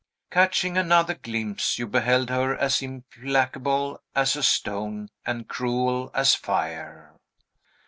Catching another glimpse, you beheld her as implacable as a stone and cruel as fire.